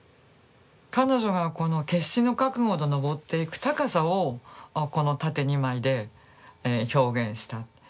彼女がこの決死の覚悟でのぼっていく高さをこの縦２枚で表現した。